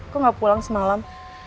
kok gak pulang semalam